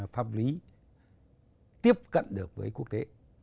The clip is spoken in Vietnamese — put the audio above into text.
pháp lý tiếp cận được với quốc tế